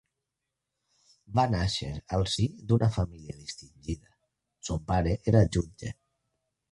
Va nàixer al si d'una família distingida; son pare era jutge.